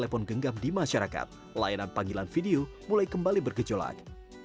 layanan panggilan video mulai kembali bergejolak